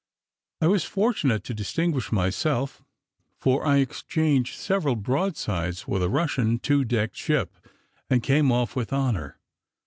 I was fortunate to distinguish myself, for I exchanged several broadsides with a Russian two decked ship, and came off with honour.